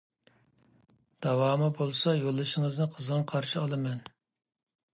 داۋامى بولسا يوللىشىڭىزنى قىزغىن قارشى ئالىمەن.